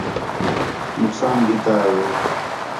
نقصان ݙِتّا ہِے